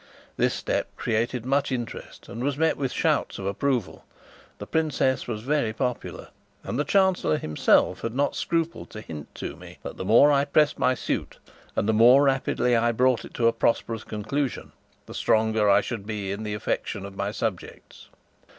This step created much interest, and was met with shouts of approval. The princess was very popular, and the Chancellor himself had not scrupled to hint to me that the more I pressed my suit, and the more rapidly I brought it to a prosperous conclusion, the stronger should I be in the affection of my subjects.